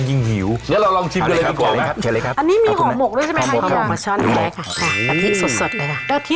กะทิสดเลยกันค่ะดาภิกษ์สดจะสุดค่ะค่ะนะครับ